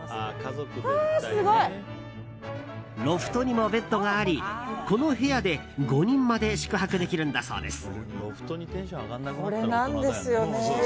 ロフトにもベッドがありこの部屋で５人まで宿泊できるんだそうです。